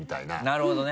なるほどね。